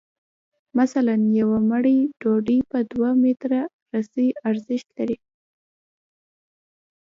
مثلاً یوه مړۍ ډوډۍ په دوه متره رسۍ ارزښت لري